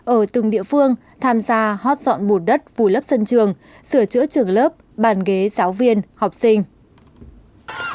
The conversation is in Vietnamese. ở từng địa phương tham gia hót dọn bùn đất vùi lấp sân trường sửa chữa trường lớp bàn ghế giáo viên học sinh